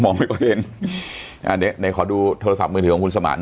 ผมก็มองไม่เลี้ยวเองอันนี้ขอดูโทรศัพท์มือถือของคุณสมานหน่อย